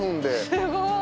すごい！